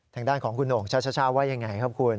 ทางด้านของคุณโหน่งชาวว่าอย่างไรครับคุณ